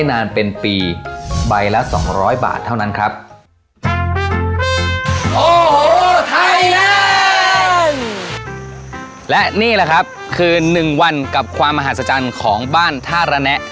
และนี่แหละครับคือ๑วันกับความมหาศจรรย์ของบ้านท่าระแนะ